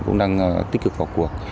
cũng đang tích cực vào cuộc